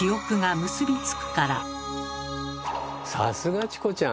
さすがチコちゃん！